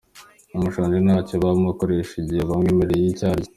Umushonji ntacyo batamukoresha igihe bamwemereye icyo arya.